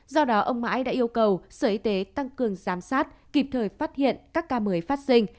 do đó ông mãi đã yêu cầu sở y tế tăng cường giám sát kịp thời phát hiện các ca mới phát sinh